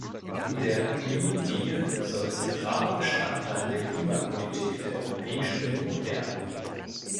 Der Green Deal soll zentraler Bestandteil der Klimapolitik der Europäischen Union werden.